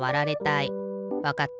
わかった。